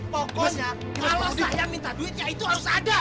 pokoknya kalau saya minta duit ya itu harus ada